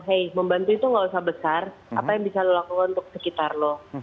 hey membantu itu gak usah besar apa yang bisa lo lakukan untuk sekitar lo